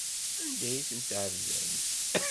Anda ay ten-tɛebdemt?